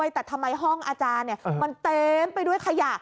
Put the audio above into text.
แต่ทำไมห้องอาจารย์มันเต็มไปด้วยขยะ